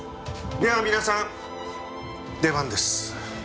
では皆さん出番です。